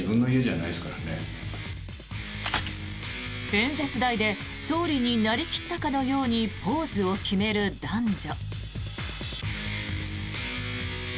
演説台で総理になり切ったかのようにポーズを決める男女。